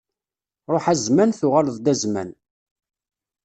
Ṛuḥ a zzman, tuɣaleḍ-d a zzman!